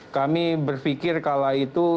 kami berpikir kala itu